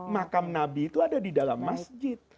makam nabi itu ada di dalam masjid